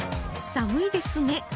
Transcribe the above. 「寒いですね」